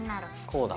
こうだ。